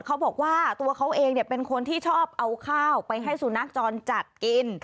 เขาบอกว่าตัวเขาเองเป็นคนที่ชอบเอาข้าวไปให้สุนัขจรจัดกิน